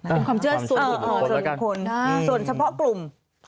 เป็นความเชื่อส่วนบุคคลส่วนเฉพาะกลุ่ม